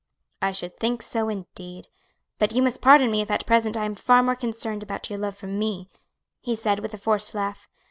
"I should think so, indeed; but you must pardon me if at present I am far more concerned about your love for me," he said, with a forced laugh.